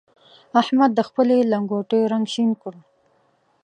احمد د خپلې لنګوټې رنګ شين کړ.